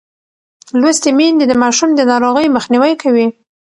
لوستې میندې د ماشوم د ناروغۍ مخنیوی کوي.